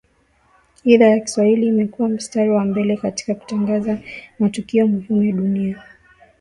idhaa ya kiswahili imekua mstari wa mbele katika kutangaza matukio muhimu ya dunia